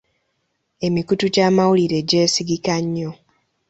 Emikutu gy'amawulire gyesigika nnyo.